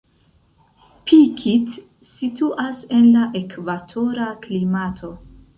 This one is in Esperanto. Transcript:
Pikit situas en la ekvatora klimato.